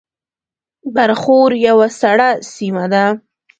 برښور یوه سړه سیمه ده